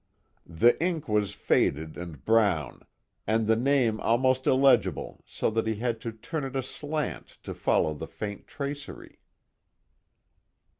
The ink was faded and brown and the name almost illegible so that he had to turn it aslant to follow the faint tracery.